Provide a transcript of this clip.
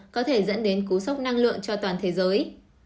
có thể dẫn đến cú sốc năng lượng cho toàn thế giới